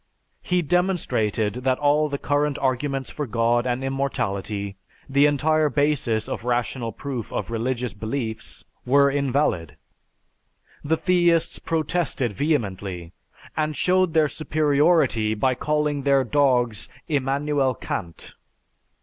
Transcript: He demonstrated that all the current arguments for God and immortality; the entire basis of rational proof of religious beliefs; were invalid. The theists protested vehemently, and showed their superiority by calling their dogs "Immanuel Kant."